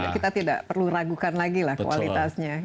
kita tidak perlu ragukan lagi lah kualitasnya